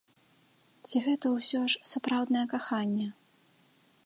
Ці гэта ўсё ж сапраўднае каханне?